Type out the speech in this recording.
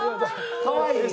かわいい！